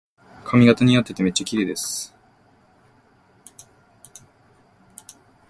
髪型にあっててめっちゃきれいです